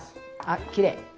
あっきれい！